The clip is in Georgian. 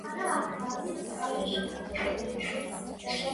დასახლებების უმეტესობამ მიიღო რუსული სახელწოდებები.